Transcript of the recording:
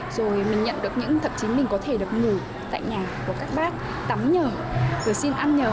rồi mình nhận được những thậm chí mình có thể được ngủ tại nhà của các bác tắm nhờ rồi xin ăn nhớ